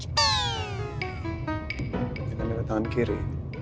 kita udah ada di tangan kiri